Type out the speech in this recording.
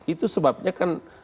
itu sebabnya kan